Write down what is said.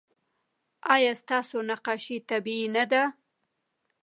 ایا ستاسو نقاشي طبیعي نه ده؟